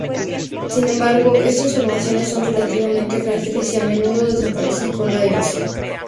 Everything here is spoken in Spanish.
Sin embargo, estas formaciones son relativamente frágiles y a menudo desaparecen con la erosión.